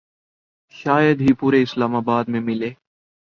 شاید ہی پورے اسلام آباد میں ملے